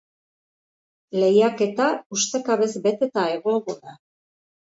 Lehiaketa ustekabez beteta egongo da.